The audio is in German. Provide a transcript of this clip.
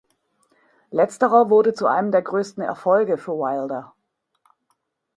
Letzterer wurde zu einem der größten Erfolge für Wilder.